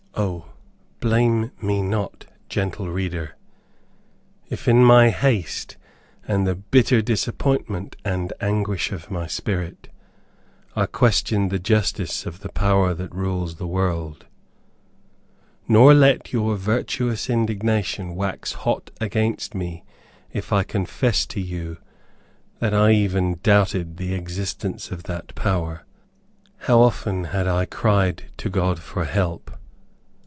O, blame me not, gentle reader, if in my haste, and the bitter disappointment and anguish of my spirit, I questioned the justice of the power that rules the world. Nor let your virtuous indignation wax hot against me if I confess to you, that I even doubted the existence of that power. How often had I cried to God for help!